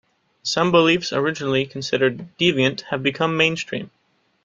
Some beliefs originally considered deviant have become mainstream.